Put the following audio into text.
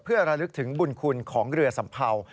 เพื่อระลึกถึงบุญคุณของเรือสัมเภา